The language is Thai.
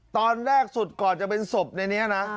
ตอนแรกสุดก่อนจะเป็นศพในนี้นะ